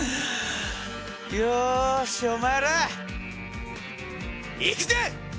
よしお前ら行くぜ！